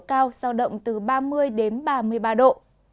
nhiệt độ cao giao động từ ba mươi ba mươi ba độ